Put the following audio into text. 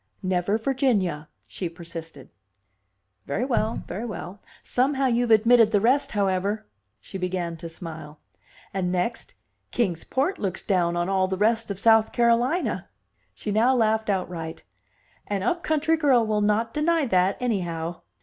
"Never Virginia," she persisted. "Very well, very well! Somehow you've admitted the rest, however." She began to smile. "And next, Kings Port looks down on all the rest of South Carolina." She now laughed outright. "An up country girl will not deny that, anyhow!"